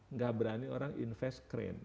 nggak berani orang invest crane